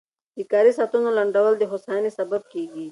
د کاري ساعتونو لنډول د هوساینې سبب کېږي.